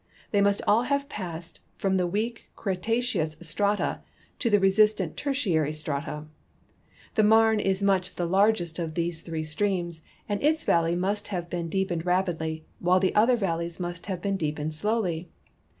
They must all have passed from the weak Cretaceous strata to the resistant Tertiary strata. The INIarne is much the largest of these three streams, and its valley must have been deepened rapidly, while the other valleys must have been deepened slowly.